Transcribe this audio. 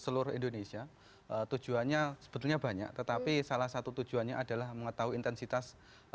seluruh indonesia tujuannya sebetulnya banyak tetapi salah satu tujuannya adalah mengetahui intensitas